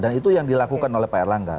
dan itu yang dilakukan oleh pak erlangga